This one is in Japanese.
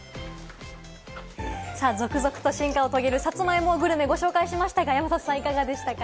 続々と進化を遂げる、さつまいもグルメご紹介しましたが、山里さん、いかがでしたか？